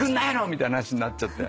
みたいな話になっちゃって。